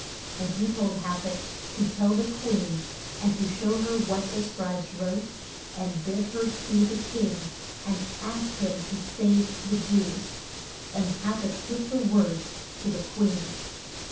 And he told Ha tach to tell the queen, and to show her what the scribes wrote, and bid her see the king and ask him to save the Jews. And Ha tach took the word to the queen.